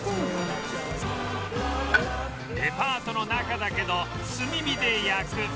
デパートの中だけど炭火で焼く